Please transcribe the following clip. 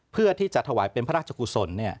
เพื่อที่จะถวายเป็นพระราชกุศล